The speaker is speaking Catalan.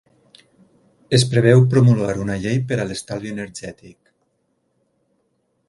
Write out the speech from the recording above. Es preveu promulgar una llei per a l'estalvi energètic.